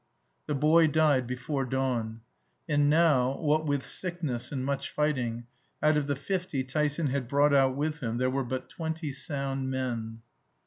The boy died before dawn. And now, what with sickness and much fighting, out of the fifty Tyson had brought out with him there were but twenty sound men.